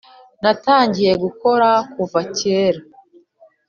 natangiye gukora kuva kera